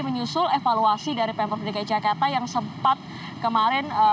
menyusul evaluasi dari pemprov dki jakarta yang sempat kemarin